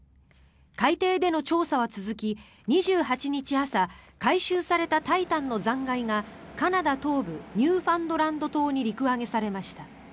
海底での調査は続き２８日朝回収された「タイタン」の残骸がカナダ東部ニューファンドランド島に陸揚げされました。